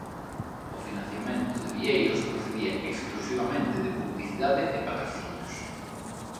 O financiamento de Vieiros procedía exclusivamente de publicidade e patrocinios.